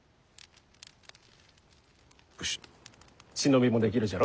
忍びもできるじゃろ。